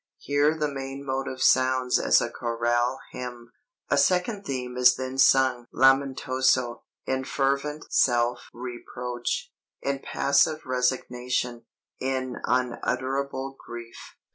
"Here the main motive sounds as a choral hymn. A second theme is then sung lamentoso, in fervent self reproach, in passive resignation, in unutterable grief.